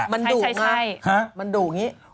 มันดุไงมันดุอย่างนี้